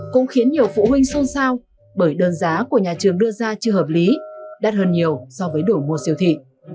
cũng khiến nhiều phụ huynh xôn xao bởi đơn giá của nhà trường đưa ra chưa hợp lý đắt hơn nhiều so với đổi mua siêu thị